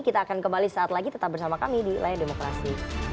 kita akan kembali saat lagi tetap bersama kami di layar demokrasi